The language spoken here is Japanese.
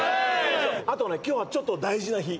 あと今日はちょっと大事な日。